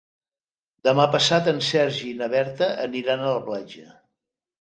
Demà passat en Sergi i na Berta aniran a la platja.